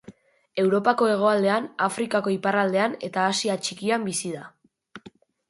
Europako hegoaldean, Afrikako iparraldean eta Asia Txikian bizi da.